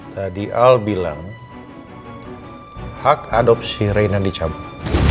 tadi al bilang hak adopsi reina dicabut